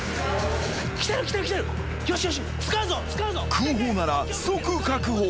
［空砲なら即確保］